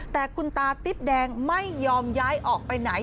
แต่คุณตาติ๊บแดงไม่ยอมย้ายออกไปไหน